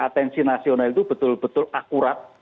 atensi nasional itu betul betul akurat